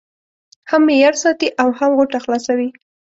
هم معیار ساتي او هم غوټه خلاصوي.